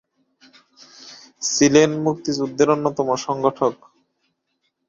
ছিলেন মুক্তিযুদ্ধের অন্যতম সংগঠক।